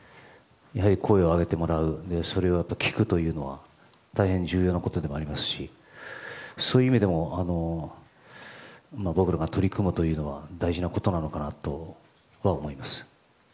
声を上げてもらうそれを聞くというのは大変、重要なことでありますしそういう意味でも僕らが取り組むというのは大事なことなのかなとは思います。